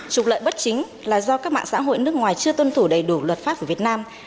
trục lợi bất chính là do các mạng xã hội nước ngoài chưa tuân thủ đầy đủ luật pháp của việt nam